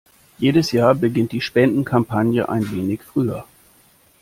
Jedes Jahr beginnt die Spendenkampagne ein wenig früher.